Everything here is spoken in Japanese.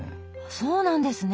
そうなんですね。